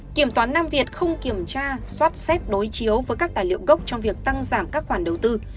kiểm toán nam việt không kiểm tra xót xét đối chiếu với các tài liệu gốc trong việc tăng giảm các khoản đầu tư